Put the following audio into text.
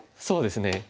そうですね。